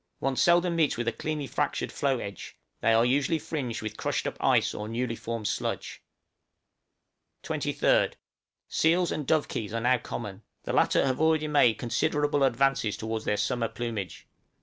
One seldom meets with a cleanly fractured floe edge, they are usually fringed with crushed up ice or newly formed sludge. 23rd. Seals and dovekies are now common; the latter have already made considerable advances towards their summer plumage.